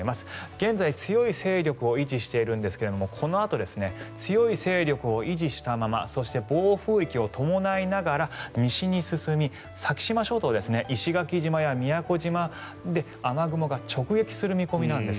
現在、強い勢力を維持しているんですがこのあと強い勢力を維持したままそして暴風域を伴いながら西に進み、先島諸島ですね石垣島や宮古島で雨雲が直撃する見込みなんです。